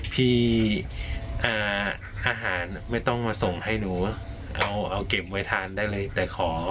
พี่อาหารไม่ต้องมาส่งให้หนูเอาเก็บไว้ทานได้เลยแต่ขอ